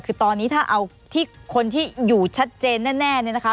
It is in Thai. คือตอนนี้ถ้าเอาที่คนที่อยู่ชัดเจนแน่เนี่ยนะคะ